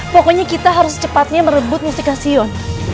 pokoknya kita harus cepatnya merebut mustikasyon